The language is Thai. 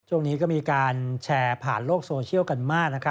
ช่วงนี้ก็มีการแชร์ผ่านโลกโซเชียลกันมากนะครับ